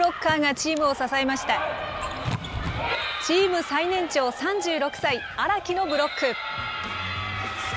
チーム最年長、３６歳、荒木のブロック。